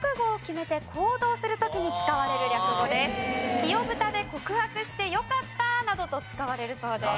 「きよぶたで告白してよかったー！！」などと使われるそうです。